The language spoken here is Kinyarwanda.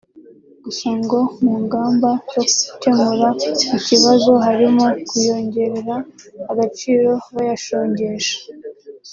Gusa ngo mu ngamba zo gukemura iki kibazo harimo kuyongerera agaciro bayashongesha